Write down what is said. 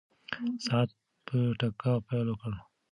ساعت په ټکا پیل وکړ.